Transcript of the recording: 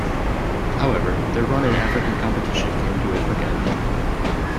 However, their run in African competition came to a quick end.